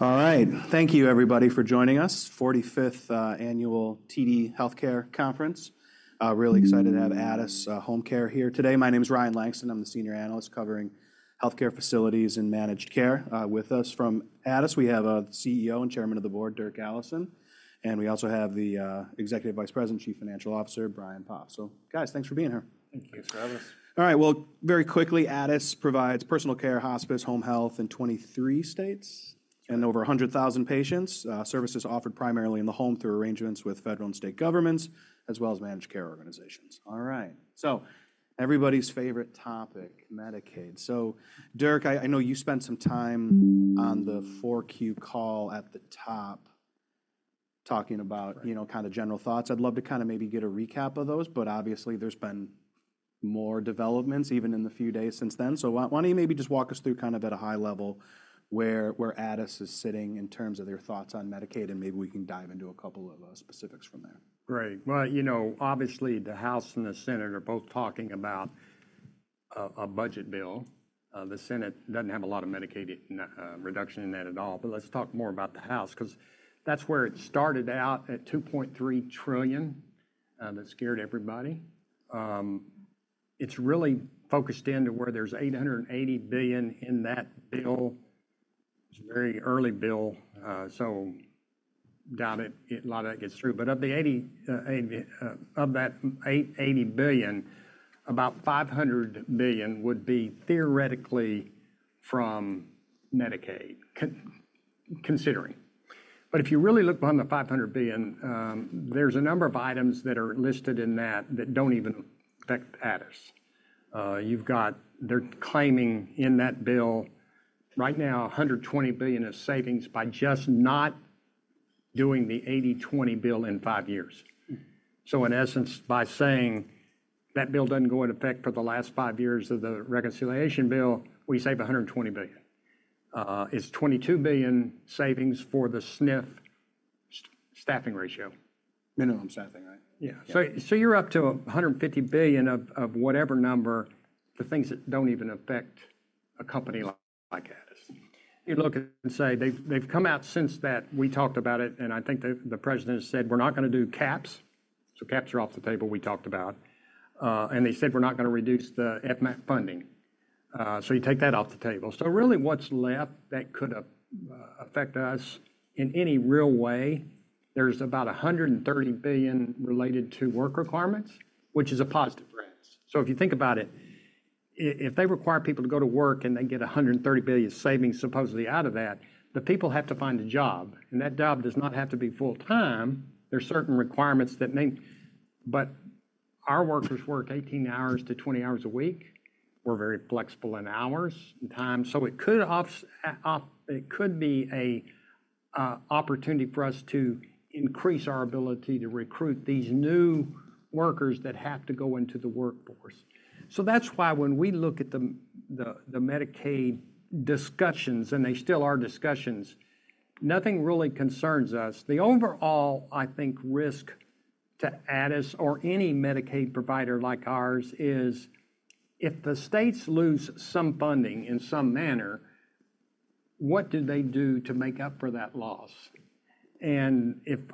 All right. Thank you, everybody, for joining us. 45th Annual TD Healthcare Conference. Really excited to have Addus HomeCare here today. My name is Ryan Langston. I'm the Senior Analyst covering healthcare facilities and managed care with us. From Addus, we have the CEO and Chairman of the Board, Dirk Allison. We also have the Executive Vice President, Chief Financial Officer, Brian Poff. Guys, thanks for being here. Thank you for having us. All right. Very quickly, Addus provides personal care, hospice, home health in 23 states and over 100,000 patients. Services offered primarily in the home through arrangements with federal and state governments, as well as managed care organizations. All right. Everybody's favorite topic, Medicaid. Dirk, I know you spent some time on the 4Q call at the top talking about, you know, kind of general thoughts. I'd love to kind of maybe get a recap of those. Obviously, there's been more developments even in the few days since then. Why don't you maybe just walk us through kind of at a high level where Addus is sitting in terms of their thoughts on Medicaid, and maybe we can dive into a couple of specifics from there. Great. You know, obviously, the House and the Senate are both talking about a budget bill. The Senate does not have a lot of Medicaid reduction in that at all. Let's talk more about the House, because that is where it started out at $2.3 trillion that scared everybody. It is really focused into where there is $880 billion in that bill. It is a very early bill. I doubt a lot of that gets through. Of the $880 billion, about $500 billion would be theoretically from Medicaid, considering. If you really look behind the $500 billion, there are a number of items that are listed in that that do not even affect Addus. They are claiming in that bill right now $120 billion of savings by just not doing the 80/20 bill in five years. In essence, by saying that bill does not go into effect for the last five years of the reconciliation bill, we save $120 billion. It is $22 billion savings for the SNF staffing ratio. Minimum staffing, right? Yeah. You're up to $150 billion of whatever number, the things that do not even affect a company like Addus. You look and say they have come out since that we talked about it, and I think the President has said, we're not going to do caps. Caps are off the table we talked about. They said, we're not going to reduce the FMAP funding. You take that off the table. Really, what's left that could affect us in any real way, there's about $130 billion related to work requirements, which is a positive for Addus. If you think about it, if they require people to go to work and they get $130 billion savings supposedly out of that, the people have to find a job. That job does not have to be full-time. There are certain requirements that may. Our workers work 18-20 hours a week. We're very flexible in hours and time. It could be an opportunity for us to increase our ability to recruit these new workers that have to go into the workforce. That is why when we look at the Medicaid discussions, and they still are discussions, nothing really concerns us. The overall, I think, risk to Addus or any Medicaid provider like ours is if the states lose some funding in some manner, what do they do to make up for that loss? If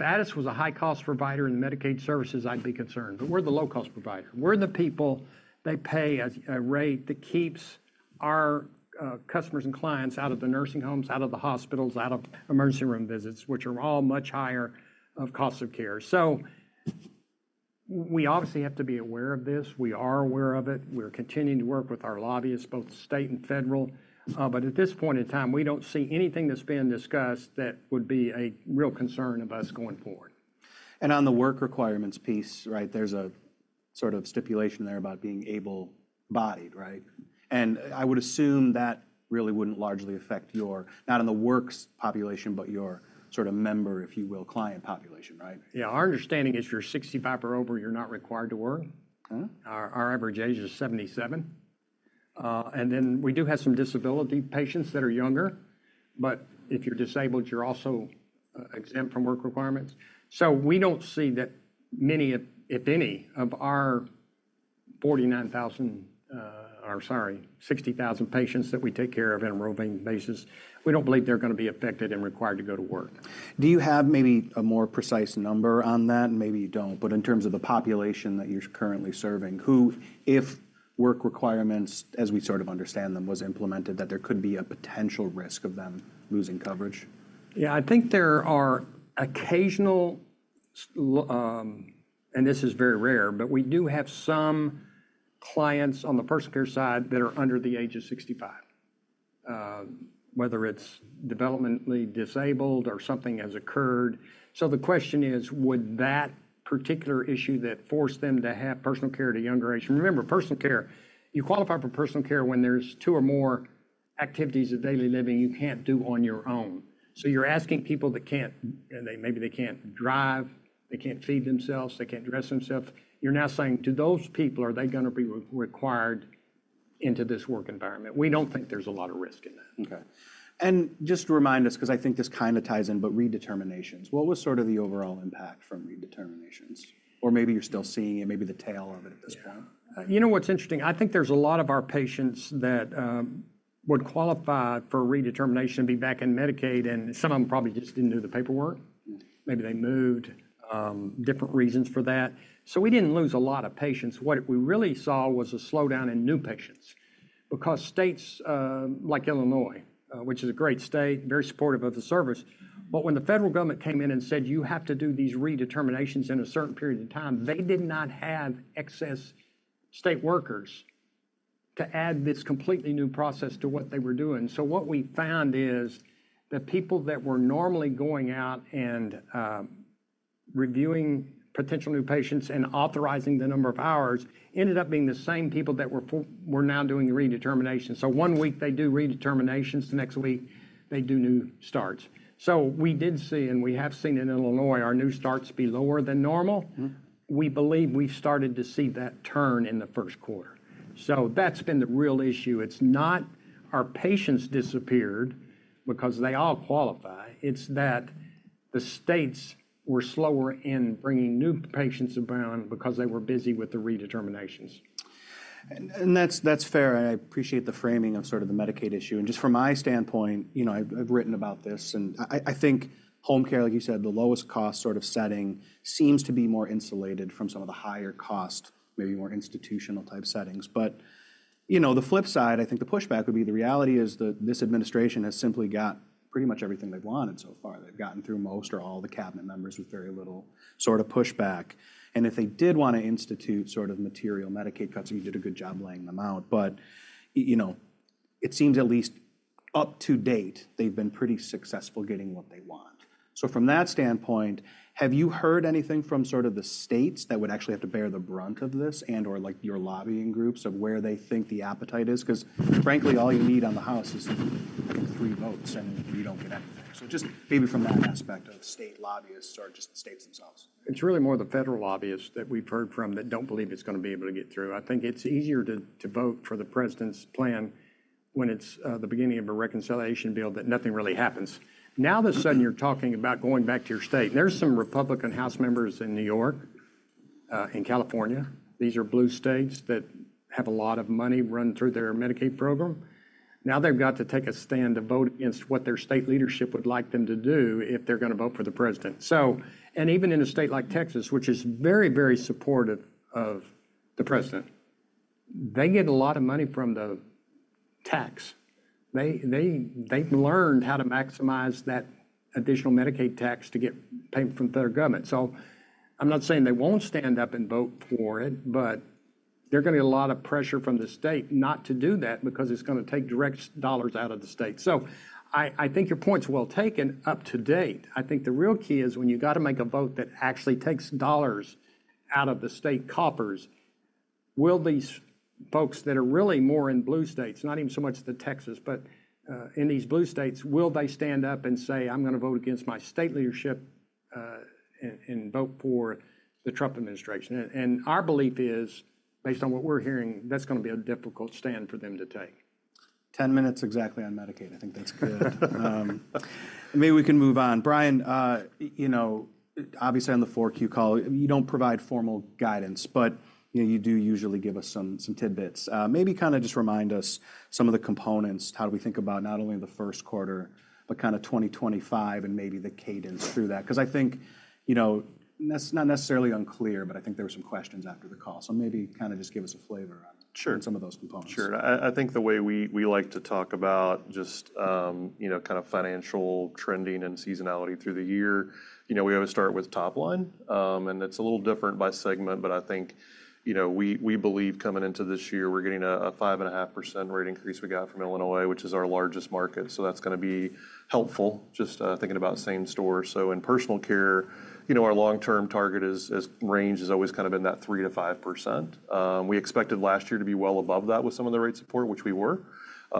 Addus was a high-cost provider in Medicaid services, I'd be concerned. We are the low-cost provider. We are the people they pay a rate that keeps our customers and clients out of the nursing homes, out of the hospitals, out of emergency room visits, which are all much higher cost of care. We obviously have to be aware of this. We are aware of it. We're continuing to work with our lobbyists, both state and federal. At this point in time, we don't see anything that's being discussed that would be a real concern of us going forward. On the work requirements piece, right, there's a sort of stipulation there about being able-bodied, right? I would assume that really wouldn't largely affect your not on the work's population, but your sort of member, if you will, client population, right? Yeah. Our understanding is if you're 65 or over, you're not required to work. Our average age is 77. And then we do have some disability patients that are younger. But if you're disabled, you're also exempt from work requirements. So we don't see that many, if any, of our 49,000 or, sorry, 60,000 patients that we take care of on a roving basis, we don't believe they're going to be affected and required to go to work. Do you have maybe a more precise number on that? Maybe you don't. In terms of the population that you're currently serving, who if work requirements, as we sort of understand them, was implemented, that there could be a potential risk of them losing covera+ge? Yeah, I think there are occasional, and this is very rare, but we do have some clients on the personal care side that are under the age of 65, whether it's developmentally disabled or something has occurred. The question is, would that particular issue that forced them to have personal care at a younger age—remember, personal care, you qualify for personal care when there are two or more activities of daily living you can't do on your own. You're asking people that can't, maybe they can't drive, they can't feed themselves, they can't dress themselves. You're now saying, do those people, are they going to be required into this work environment? We don't think there's a lot of risk in that. Okay. Just to remind us, because I think this kind of ties in, but redeterminations. What was sort of the overall impact from redeterminations? Or maybe you're still seeing it, maybe the tail of it at this point. You know what's interesting? I think there's a lot of our patients that would qualify for redetermination to be back in Medicaid, and some of them probably just didn't do the paperwork. Maybe they moved, different reasons for that. We didn't lose a lot of patients. What we really saw was a slowdown in new patients, because states like Illinois, which is a great state, very supportive of the service. When the federal government came in and said, you have to do these redeterminations in a certain period of time, they did not have excess state workers to add this completely new process to what they were doing. What we found is the people that were normally going out and reviewing potential new patients and authorizing the number of hours ended up being the same people that were now doing redeterminations. One week they do redeterminations, the next week they do new starts. We did see, and we have seen in Illinois, our new starts be lower than normal. We believe we've started to see that turn in the first quarter. That's been the real issue. It's not our patients disappeared because they all qualify. It's that the states were slower in bringing new patients around because they were busy with the redeterminations. That's fair. I appreciate the framing of sort of the Medicaid issue. Just from my standpoint, you know, I've written about this. I think home care, like you said, the lowest cost sort of setting seems to be more insulated from some of the higher cost, maybe more institutional type settings. You know, the flip side, I think the pushback would be the reality is that this administration has simply got pretty much everything they've wanted so far. They've gotten through most or all the cabinet members with very little sort of pushback. If they did want to institute sort of material Medicaid cuts, you did a good job laying them out. You know, it seems at least up to date, they've been pretty successful getting what they want. From that standpoint, have you heard anything from sort of the states that would actually have to bear the brunt of this and/or like your lobbying groups of where they think the appetite is? Because frankly, all you need on the House is three votes, and you do not get anything. Just maybe from that aspect of state lobbyists or just the states themselves. It's really more the federal lobbyists that we've heard from that don't believe it's going to be able to get through. I think it's easier to vote for the President's plan when it's the beginning of a reconciliation bill that nothing really happens. Now, all of a sudden, you're talking about going back to your state. There are some Republican House members in New York, in California. These are blue states that have a lot of money run through their Medicaid program. Now they've got to take a stand to vote against what their state leadership would like them to do if they're going to vote for the President. Even in a state like Texas, which is very, very supportive of the President, they get a lot of money from the tax. They've learned how to maximize that additional Medicaid tax to get payment from the federal government. I'm not saying they won't stand up and vote for it, but there's going to be a lot of pressure from the state not to do that because it's going to take direct dollars out of the state. I think your point's well taken. Up to date, I think the real key is when you've got to make a vote that actually takes dollars out of the state coffers, will these folks that are really more in blue states, not even so much the Texas, but in these blue states, will they stand up and say, I'm going to vote against my state leadership and vote for the Trump administration? Our belief is, based on what we're hearing, that's going to be a difficult stand for them to take. 10 minutes exactly on Medicaid. I think that's good. Maybe we can move on. Brian, you know, obviously on the 4Q call, you don't provide formal guidance, but you do usually give us some tidbits. Maybe kind of just remind us some of the components, how do we think about not only the first quarter, but kind of 2025 and maybe the cadence through that? Because I think, you know, that's not necessarily unclear, but I think there were some questions after the call. Maybe kind of just give us a flavor on some of those components. Sure. I think the way we like to talk about just, you know, kind of financial trending and seasonality through the year, you know, we always start with top line. It is a little different by segment, but I think, you know, we believe coming into this year, we are getting a 5.5% rate increase we got from Illinois, which is our largest market. That is going to be helpful just thinking about same store. In personal care, you know, our long-term target range has always kind of been that 3%-5%. We expected last year to be well above that with some of the rate support, which we were.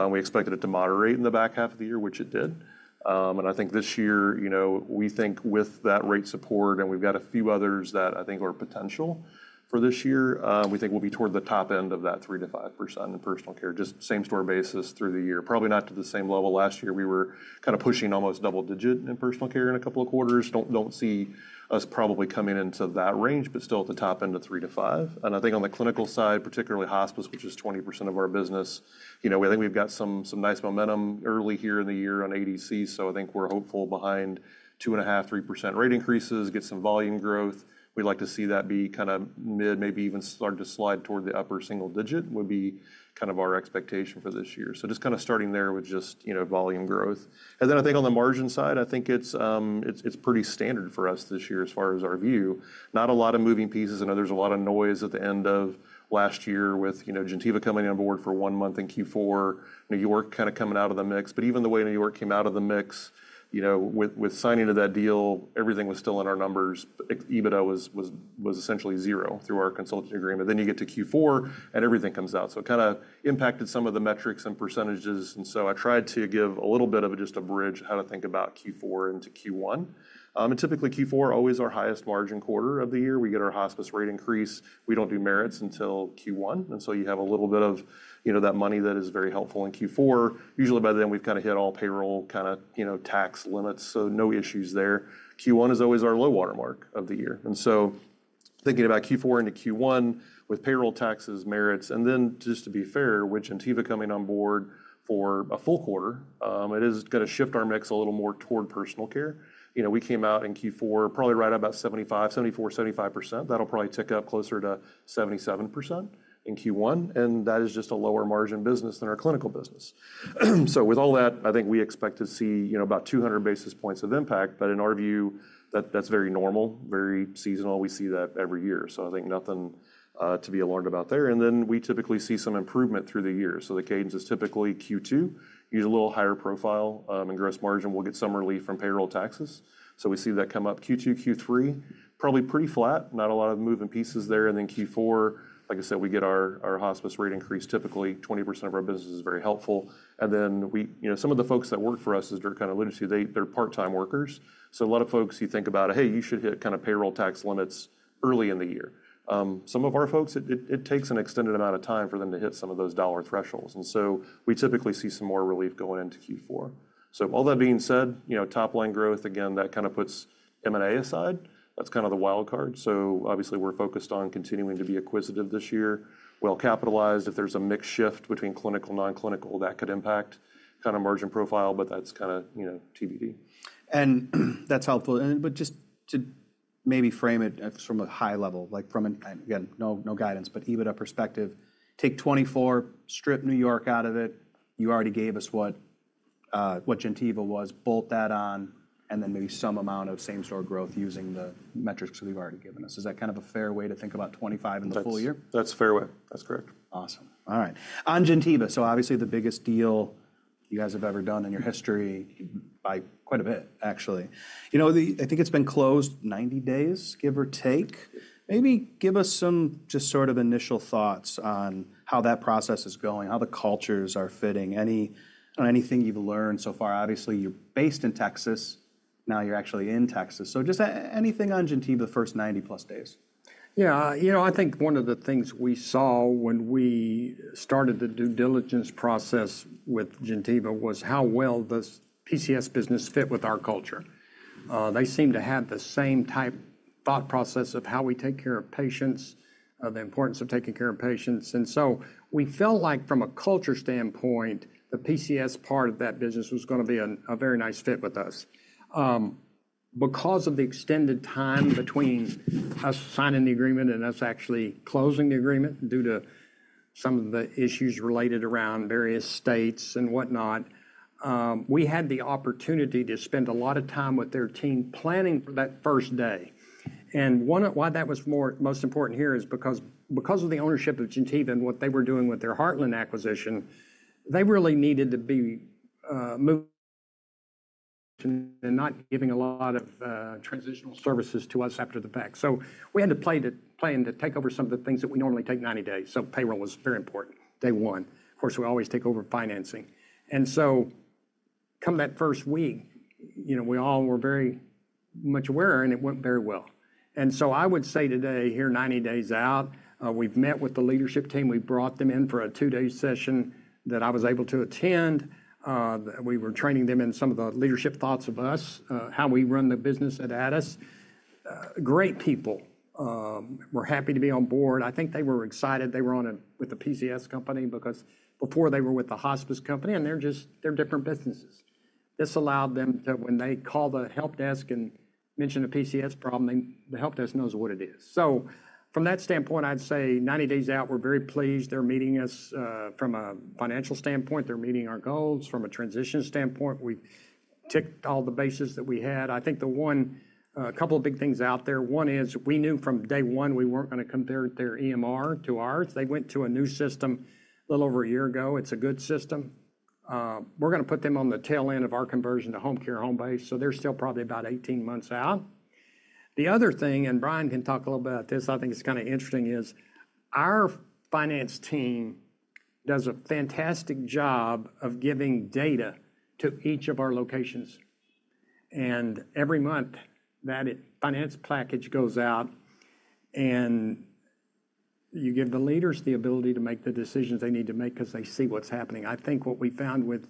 We expected it to moderate in the back half of the year, which it did. I think this year, you know, we think with that rate support, and we've got a few others that I think are potential for this year, we think we'll be toward the top end of that 3%-5% in personal care, just same store basis through the year. Probably not to the same level. Last year, we were kind of pushing almost double digit in personal care in a couple of quarters. Don't see us probably coming into that range, but still at the top end of 3%-5%. I think on the clinical side, particularly hospice, which is 20% of our business, you know, I think we've got some nice momentum early here in the year on ADC. I think we're hopeful behind 2.5%, 3% rate increases, get some volume growth. We'd like to see that be kind of mid, maybe even start to slide toward the upper single digit would be kind of our expectation for this year. Just kind of starting there with just, you know, volume growth. I think on the margin side, I think it's pretty standard for us this year as far as our view. Not a lot of moving pieces. I know there's a lot of noise at the end of last year with, you know, Gentiva coming on board for one month in Q4, New York kind of coming out of the mix. Even the way New York came out of the mix, you know, with signing to that deal, everything was still in our numbers. EBITDA was essentially zero through our consulting agreement. You get to Q4 and everything comes out. It kind of impacted some of the metrics and percentages. I tried to give a little bit of just a bridge how to think about Q4 into Q1. Typically Q4 is always our highest margin quarter of the year. We get our hospice rate increase. We do not do merits until Q1. You have a little bit of, you know, that money that is very helpful in Q4. Usually by then we have kind of hit all payroll kind of, you know, tax limits. No issues there. Q1 is always our low watermark of the year. Thinking about Q4 into Q1 with payroll taxes, merits, and then just to be fair, with Gentiva coming on board for a full quarter, it is going to shift our mix a little more toward personal care. You know, we came out in Q4 probably right about 75%, 74%, 75%. That'll probably tick up closer to 77% in Q1. That is just a lower margin business than our clinical business. With all that, I think we expect to see, you know, about 200 basis points of impact. In our view, that's very normal, very seasonal. We see that every year. I think nothing to be alarmed about there. We typically see some improvement through the year. The cadence is typically Q2, usually a little higher profile in gross margin. We'll get some relief from payroll taxes. We see that come up Q2, Q3, probably pretty flat, not a lot of moving pieces there. Q4, like I said, we get our hospice rate increase, typically 20% of our business is very helpful. We, you know, some of the folks that work for us, as you're kind of alluding to, they're part-time workers. A lot of folks, you think about, hey, you should hit kind of payroll tax limits early in the year. Some of our folks, it takes an extended amount of time for them to hit some of those dollar thresholds. We typically see some more relief going into Q4. All that being said, you know, top line growth, again, that kind of puts M&A aside. That's kind of the wild card. Obviously we're focused on continuing to be acquisitive this year, well capitalized. If there's a mixed shift between clinical, non-clinical, that could impact kind of margin profile, but that's kind of, you know, TBD. That is helpful. Just to maybe frame it from a high level, like from an, again, no guidance, but EBITDA perspective, take 2024, strip New York out of it. You already gave us what Gentiva was, bolt that on, and then maybe some amount of same store growth using the metrics that you have already given us. Is that kind of a fair way to think about 2025 in the full year? That's fair. That's fair. That's correct. Awesome. All right. On Gentiva, so obviously the biggest deal you guys have ever done in your history by quite a bit, actually. You know, I think it's been closed 90 days, give or take. Maybe give us some just sort of initial thoughts on how that process is going, how the cultures are fitting, anything you've learned so far. Obviously, you're based in Texas. Now you're actually in Texas. So just anything on Gentiva first 90 plus days. Yeah, you know, I think one of the things we saw when we started the due diligence process with Gentiva was how well does PCS business fit with our culture? They seem to have the same type thought process of how we take care of patients, the importance of taking care of patients. You know, we felt like from a culture standpoint, the PCS part of that business was going to be a very nice fit with us. Because of the extended time between us signing the agreement and us actually closing the agreement due to some of the issues related around various states and whatnot, we had the opportunity to spend a lot of time with their team planning for that first day. Why that was most important here is because of the ownership of Gentiva and what they were doing with their Heartland acquisition, they really needed to be moving and not giving a lot of transitional services to us after the fact. We had to play and to take over some of the things that we normally take 90 days. Payroll was very important day one. Of course, we always take over financing. Come that first week, you know, we all were very much aware and it went very well. I would say today here, 90 days out, we've met with the leadership team. We brought them in for a two-day session that I was able to attend. We were training them in some of the leadership thoughts of us, how we run the business at Addus. Great people. We're happy to be on board. I think they were excited. They were on with the PCS company because before they were with the hospice company and they're just, they're different businesses. This allowed them to, when they call the help desk and mention a PCS problem, the help desk knows what it is. From that standpoint, I'd say 90 days out, we're very pleased. They're meeting us from a financial standpoint. They're meeting our goals from a transition standpoint. We ticked all the bases that we had. I think the one, a couple of big things out there. One is we knew from day one we weren't going to compare their EMR to ours. They went to a new system a little over a year ago. It's a good system. We're going to put them on the tail end of our conversion to Homecare Homebase. They're still probably about 18 months out. The other thing, and Brian can talk a little bit about this, I think it's kind of interesting, is our finance team does a fantastic job of giving data to each of our locations. Every month that finance package goes out and you give the leaders the ability to make the decisions they need to make because they see what's happening. I think what we found with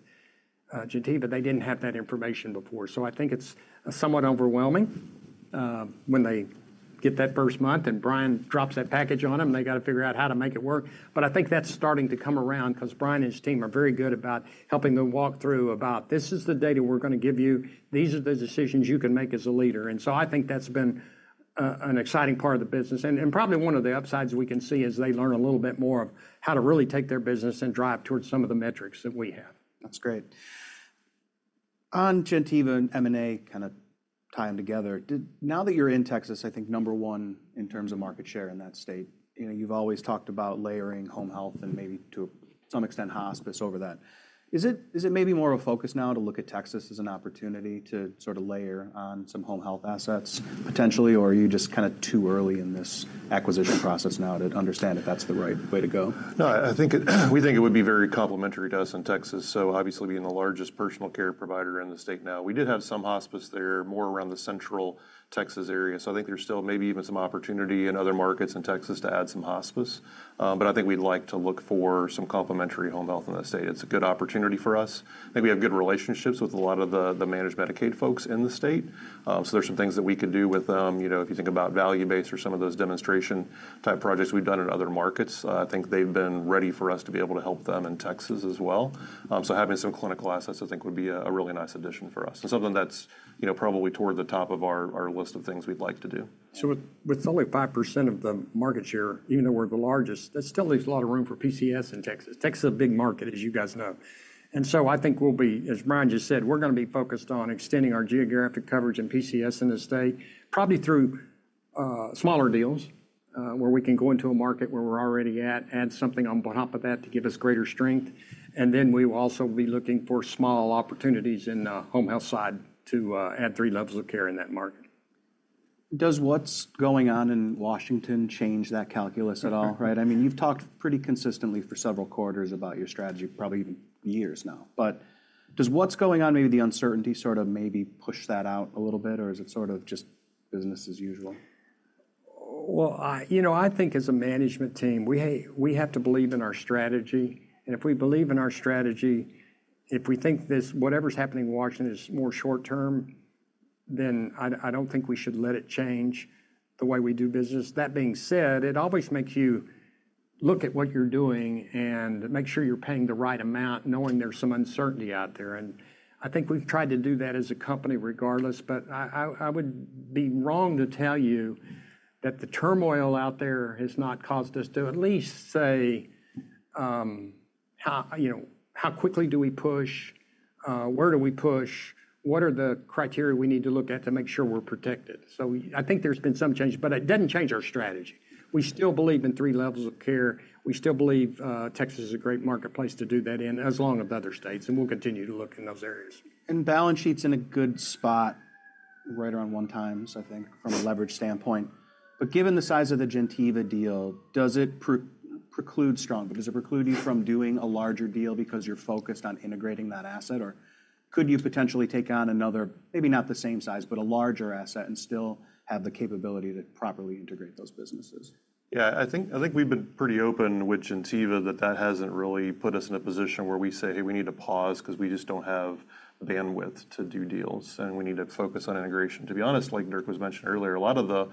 Gentiva, they didn't have that information before. I think it's somewhat overwhelming when they get that first month and Brian drops that package on them and they got to figure out how to make it work. I think that's starting to come around because Brian and his team are very good about helping them walk through about this is the data we're going to give you. These are the decisions you can make as a leader. I think that's been an exciting part of the business. Probably one of the upsides we can see is they learn a little bit more of how to really take their business and drive towards some of the metrics that we have. That's great. On Gentiva and M&A kind of tying together, now that you're in Texas, I think number one in terms of market share in that state, you know, you've always talked about layering home health and maybe to some extent hospice over that. Is it maybe more of a focus now to look at Texas as an opportunity to sort of layer on some home health assets potentially, or are you just kind of too early in this acquisition process now to understand if that's the right way to go? No, I think we think it would be very complimentary to us in Texas. Obviously, being the largest personal care provider in the state now, we did have some hospice there more around the central Texas area. I think there's still maybe even some opportunity in other markets in Texas to add some hospice. I think we'd like to look for some complimentary home health in that state. It's a good opportunity for us. I think we have good relationships with a lot of the managed Medicaid folks in the state. There are some things that we could do with them. You know, if you think about value-based or some of those demonstration type projects we've done in other markets, I think they've been ready for us to be able to help them in Texas as well. Having some clinical assets, I think would be a really nice addition for us. And something that's, you know, probably toward the top of our list of things we'd like to do. With only 5% of the market share, even though we're the largest, that still leaves a lot of room for PCS in Texas. Texas is a big market, as you guys know. I think we'll be, as Brian just said, we're going to be focused on extending our geographic coverage and PCS in the state, probably through smaller deals where we can go into a market where we're already at, add something on top of that to give us greater strength. We will also be looking for small opportunities in the home health side to add three levels of care in that market. Does what's going on in Washington change that calculus at all? Right? I mean, you've talked pretty consistently for several quarters about your strategy, probably even years now. Does what's going on, maybe the uncertainty sort of maybe push that out a little bit, or is it sort of just business as usual? I think as a management team, we have to believe in our strategy. If we believe in our strategy, if we think this, whatever's happening in Washington is more short term, then I don't think we should let it change the way we do business. That being said, it always makes you look at what you're doing and make sure you're paying the right amount, knowing there's some uncertainty out there. I think we've tried to do that as a company regardless, but I would be wrong to tell you that the turmoil out there has not caused us to at least say, you know, how quickly do we push, where do we push, what are the criteria we need to look at to make sure we're protected. I think there's been some change, but it didn't change our strategy. We still believe in three levels of care. We still believe Texas is a great marketplace to do that in, as long as other states, and we'll continue to look in those areas. Balance sheet's in a good spot right around one times, I think, from a leverage standpoint. Given the size of the Gentiva deal, does it preclude strongly? Does it preclude you from doing a larger deal because you're focused on integrating that asset? Or could you potentially take on another, maybe not the same size, but a larger asset and still have the capability to properly integrate those businesses? Yeah, I think we've been pretty open with Gentiva that that hasn't really put us in a position where we say, hey, we need to pause because we just don't have bandwidth to do deals. We need to focus on integration. To be honest, like Dirk was mentioning earlier, a lot of the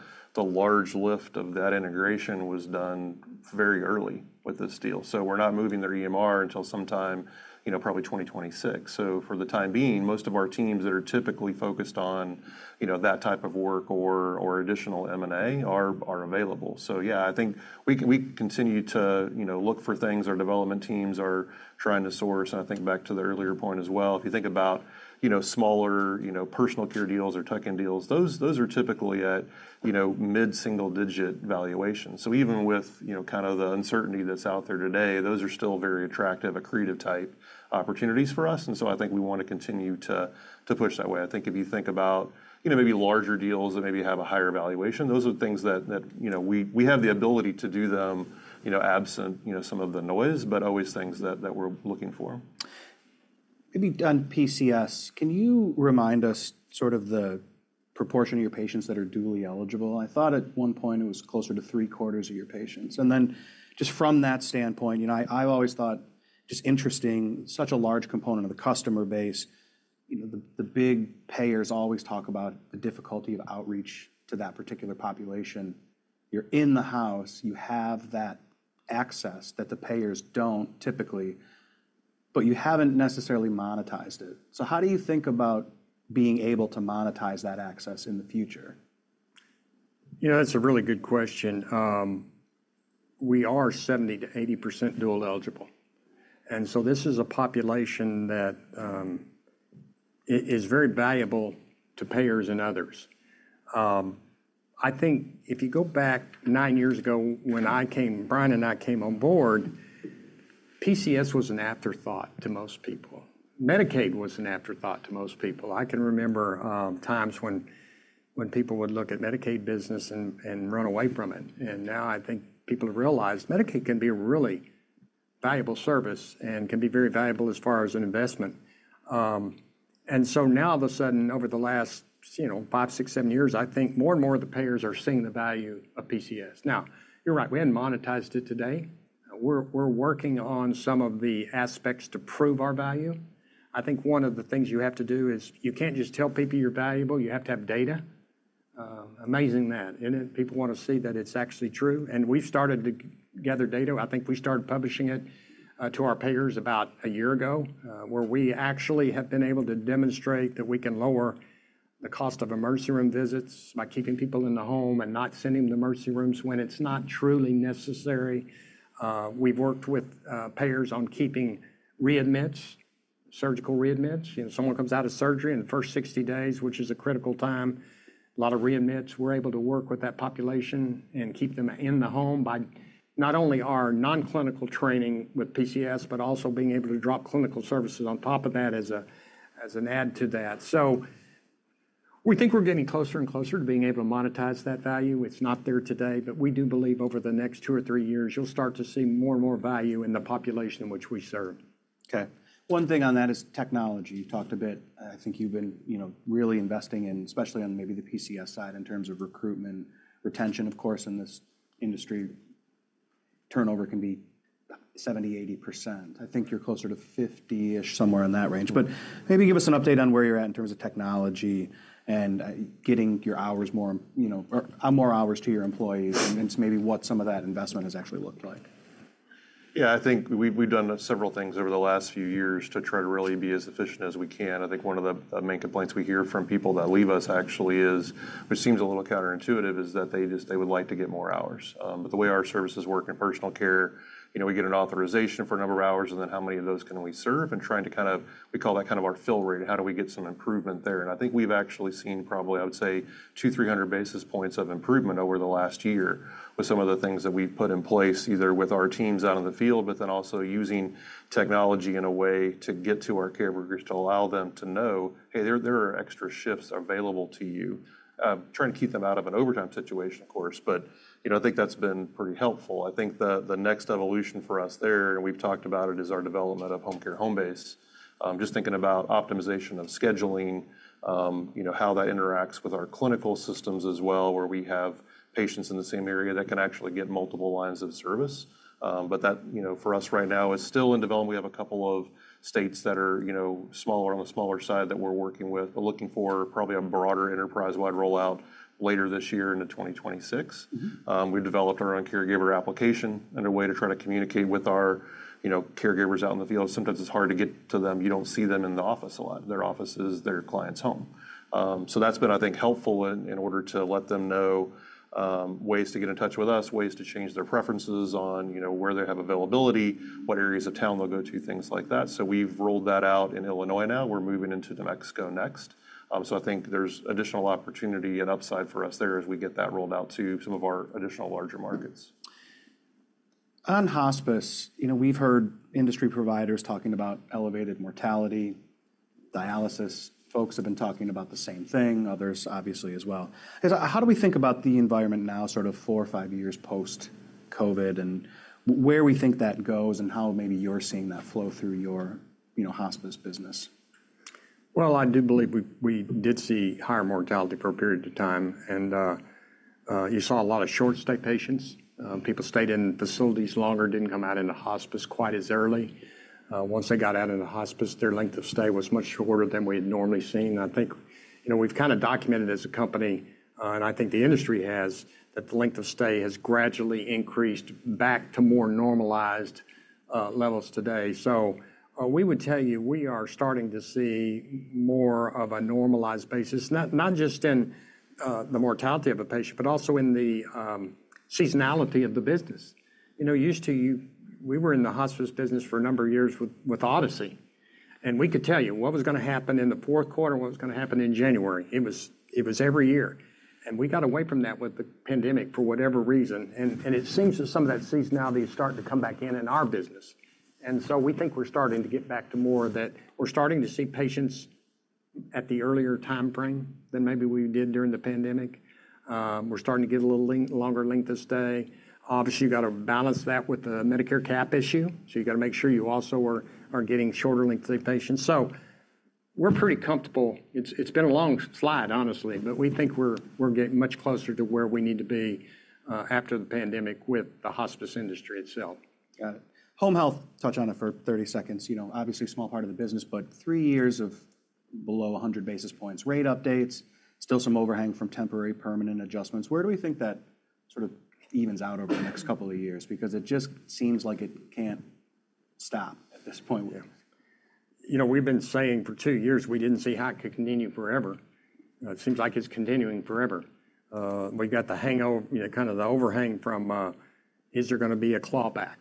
large lift of that integration was done very early with this deal. We're not moving their EMR until sometime, you know, probably 2026. For the time being, most of our teams that are typically focused on, you know, that type of work or additional M&A are available. Yeah, I think we continue to, you know, look for things our development teams are trying to source. I think back to the earlier point as well, if you think about, you know, smaller, you know, personal care deals or tuck-in deals, those are typically at, you know, mid-single digit valuations. Even with, you know, kind of the uncertainty that's out there today, those are still very attractive, accretive type opportunities for us. I think we want to continue to push that way. I think if you think about, you know, maybe larger deals that maybe have a higher valuation, those are things that, you know, we have the ability to do them, you know, absent, you know, some of the noise, but always things that we're looking for. Maybe on PCS, can you remind us sort of the proportion of your patients that are duly eligible? I thought at one point it was closer to three quarters of your patients. From that standpoint, you know, I've always thought just interesting, such a large component of the customer base, you know, the big payers always talk about the difficulty of outreach to that particular population. You're in the house, you have that access that the payers do not typically, but you have not necessarily monetized it. How do you think about being able to monetize that access in the future? You know, that's a really good question. We are 70-80% dual eligible. And so this is a population that is very valuable to payers and others. I think if you go back nine years ago when I came, Brian and I came on board, PCS was an afterthought to most people. Medicaid was an afterthought to most people. I can remember times when people would look at Medicaid business and run away from it. Now I think people have realized Medicaid can be a really valuable service and can be very valuable as far as an investment. Now all of a sudden, over the last, you know, five, six, seven years, I think more and more of the payers are seeing the value of PCS. Now, you're right, we haven't monetized it today. We're working on some of the aspects to prove our value. I think one of the things you have to do is you can't just tell people you're valuable, you have to have data. Amazing that. People want to see that it's actually true. We've started to gather data. I think we started publishing it to our payers about a year ago where we actually have been able to demonstrate that we can lower the cost of emergency room visits by keeping people in the home and not sending them to emergency rooms when it's not truly necessary. We've worked with payers on keeping readmits, surgical readmits. You know, someone comes out of surgery in the first 60 days, which is a critical time, a lot of readmits. We're able to work with that population and keep them in the home by not only our non-clinical training with PCS, but also being able to drop clinical services on top of that as an add to that. We think we're getting closer and closer to being able to monetize that value. It's not there today, but we do believe over the next two or three years, you'll start to see more and more value in the population in which we serve. Okay. One thing on that is technology. You've talked a bit. I think you've been, you know, really investing in, especially on maybe the PCS side in terms of recruitment, retention, of course, in this industry, turnover can be 70-80%. I think you're closer to 50-ish, somewhere in that range. Maybe give us an update on where you're at in terms of technology and getting your hours more, you know, more hours to your employees. It's maybe what some of that investment has actually looked like. Yeah, I think we've done several things over the last few years to try to really be as efficient as we can. I think one of the main complaints we hear from people that leave us actually is, which seems a little counterintuitive, is that they just, they would like to get more hours. The way our services work in personal care, you know, we get an authorization for a number of hours and then how many of those can we serve and trying to kind of, we call that kind of our fill rate, how do we get some improvement there. I think we've actually seen probably, I would say, two to three hundred basis points of improvement over the last year with some of the things that we've put in place either with our teams out in the field, but then also using technology in a way to get to our care workers to allow them to know, hey, there are extra shifts available to you. Trying to keep them out of an overtime situation, of course, but you know, I think that's been pretty helpful. I think the next evolution for us there, and we've talked about it, is our development of Homecare Homebase. Just thinking about optimization of scheduling, you know, how that interacts with our clinical systems as well, where we have patients in the same area that can actually get multiple lines of service. That, you know, for us right now is still in development. We have a couple of states that are, you know, smaller, on the smaller side that we're working with, but looking for probably a broader enterprise-wide rollout later this year into 2026. We've developed our own caregiver application and a way to try to communicate with our, you know, caregivers out in the field. Sometimes it's hard to get to them. You don't see them in the office a lot. Their office is their client's home. That has been, I think, helpful in order to let them know ways to get in touch with us, ways to change their preferences on, you know, where they have availability, what areas of town they'll go to, things like that. We've rolled that out in Illinois now. We're moving into New Mexico next. I think there's additional opportunity and upside for us there as we get that rolled out to some of our additional larger markets. On hospice, you know, we've heard industry providers talking about elevated mortality, dialysis. Folks have been talking about the same thing, others obviously as well. How do we think about the environment now, sort of four or five years post-COVID and where we think that goes and how maybe you're seeing that flow through your, you know, hospice business? I do believe we did see higher mortality for a period of time. You saw a lot of short-stay patients. People stayed in facilities longer, did not come out into hospice quite as early. Once they got out into hospice, their length of stay was much shorter than we had normally seen. I think, you know, we have kind of documented as a company, and I think the industry has, that the length of stay has gradually increased back to more normalized levels today. We would tell you we are starting to see more of a normalized basis, not just in the mortality of a patient, but also in the seasonality of the business. You know, used to we were in the hospice business for a number of years with Odyssey. We could tell you what was going to happen in the fourth quarter and what was going to happen in January. It was every year. We got away from that with the pandemic for whatever reason. It seems that some of that seasonality is starting to come back in our business. We think we are starting to get back to more of that. We are starting to see patients at the earlier time frame than maybe we did during the pandemic. We are starting to get a little longer length of stay. Obviously, you have to balance that with the Medicare cap issue. You have to make sure you also are getting shorter length of stay patients. We are pretty comfortable. It's been a long slide, honestly, but we think we're getting much closer to where we need to be after the pandemic with the hospice industry itself. Got it. Home health, touch on it for 30 seconds. You know, obviously a small part of the business, but three years of below 100 basis points, rate updates, still some overhang from temporary permanent adjustments. Where do we think that sort of evens out over the next couple of years? Because it just seems like it can't stop at this point. You know, we've been saying for two years we didn't see how it could continue forever. It seems like it's continuing forever. We've got the hangover, you know, kind of the overhang from is there going to be a clawback?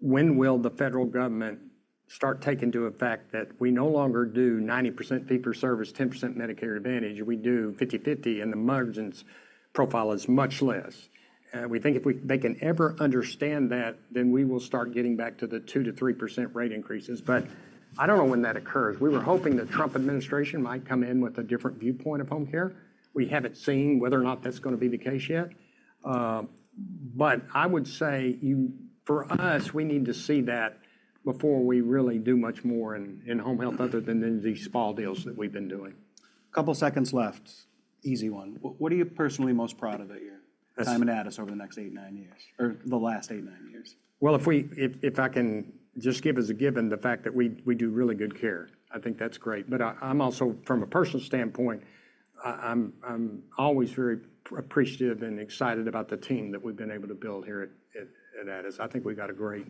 When will the federal government start taking into effect that we no longer do 90% fee-for-service, 10% Medicare Advantage? We do 50/50 and the margin's profile is much less. We think if they can ever understand that, then we will start getting back to the 2%-3% rate increases. I don't know when that occurs. We were hoping the Trump administration might come in with a different viewpoint of home care. We haven't seen whether or not that's going to be the case yet. I would say for us, we need to see that before we really do much more in home health other than these small deals that we've been doing. Couple seconds left. Easy one. What are you personally most proud of at your time at Addus over the next eight, nine years? Or the last eight, nine years? If I can just give as a given the fact that we do really good care, I think that's great. I am also, from a personal standpoint, always very appreciative and excited about the team that we've been able to build here at Seer. I think we've got a great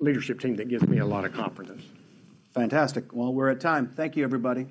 leadership team that gives me a lot of confidence. Fantastic. We are at time. Thank you, everybody.